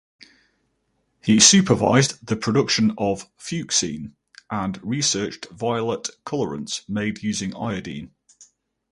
He supervised the production of Fuchsine and researched violet colorants made using iodine.